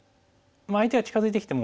相手が近づいてきても。